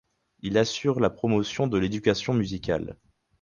Il assure aussi la promotion de l'éducation musicale.